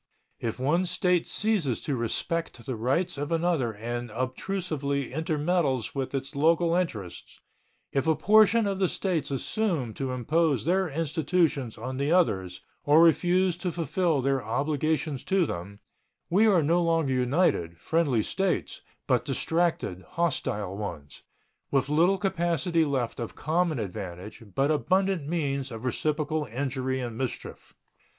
If one State ceases to respect the rights of another and obtrusively intermeddles with its local interests; if a portion of the States assume to impose their institutions on the others or refuse to fulfill their obligations to them, we are no longer united, friendly States, but distracted, hostile ones, with little capacity left of common advantage, but abundant means of reciprocal injury and mischief.